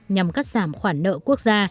nhằm cắt giảm khoản nợ quốc gia